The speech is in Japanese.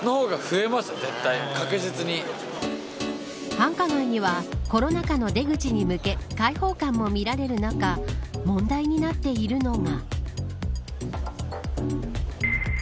繁華街にはコロナ禍の出口に向け開放感もみられる中問題になっているのが。